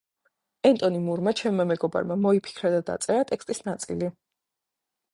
ენტონი მურმა, ჩემმა მეგობარმა, მოიფიქრა და დაწერა ტექსტის ნაწილი.